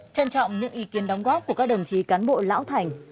trân trọng những ý kiến đóng góp của các đồng chí cán bộ lão thành